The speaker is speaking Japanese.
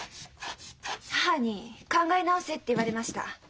母に考え直せって言われました。